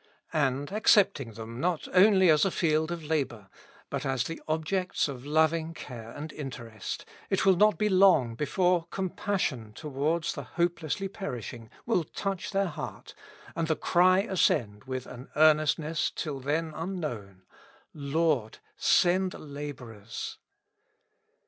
And, accepting them not only as a field of labor, but as the objects of loving care and interest, it will not be long before compassion towards the hopelessly perishing will touch their heart, and the cry ascend with an earnestness till then unknown : Lord ! send laborers.